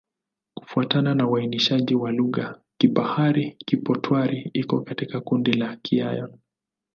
Kufuatana na uainishaji wa lugha, Kipahari-Kipotwari iko katika kundi la Kiaryan.